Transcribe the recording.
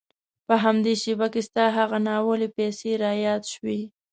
په همدې شېبه کې ستا هغه ناولې پيسې را یادې شوې.